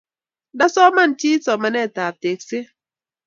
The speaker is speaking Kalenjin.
Nda soman chii somanet ab tekset